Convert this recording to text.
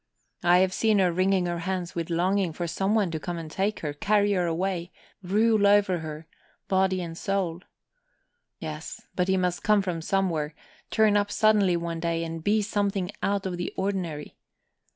I have seen her wringing her hands with longing for someone to come and take her, carry her away, rule over her, body and soul. Yes ... but he must come from somewhere turn up suddenly one day, and be something out of the ordinary.